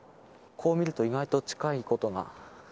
こう見ると意外と近いことが。